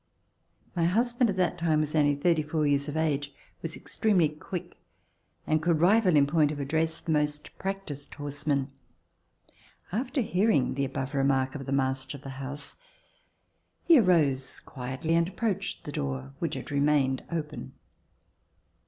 My husband at that time was only thirty four years of age, was extremely quick, and could rival in point of address the most practised horseman. After hear ing the above remark of the master of the house, he arose quietly and approached the door which had remained open.